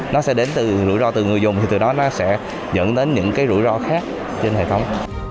nó sẽ đến từ rủi ro từ người dùng thì từ đó nó sẽ dẫn đến những cái rủi ro khác trên hệ thống